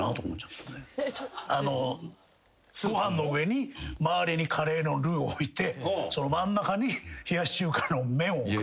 ご飯の周りにカレーのルーを置いて真ん中に冷やし中華の麺を置く。